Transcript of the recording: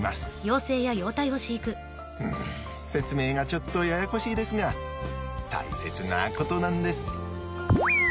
うん説明がちょっとややこしいですが大切なことなんです。